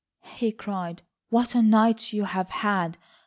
he cried, "what a night you have had.